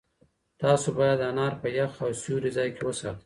تاسو باید انار په یخ او سیوري ځای کې وساتئ.